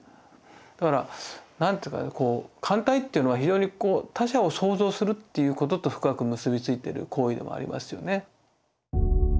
だから何ていうか歓待っていうのは非常に他者を想像するっていうことと深く結び付いてる行為でもありますよね。